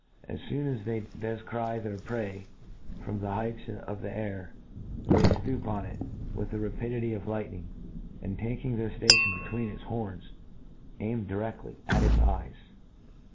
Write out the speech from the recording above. As foon as they defcry their prey from the heights of air, they ftoop on it with the rapidity of lightning, and^ taking their ftation between its horns, aim diredly at Its eyes.